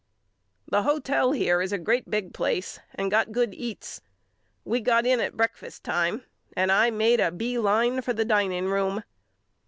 The hotel here is a great big place and got good eats. We got in at breakfast time and I made a B line for the dining room.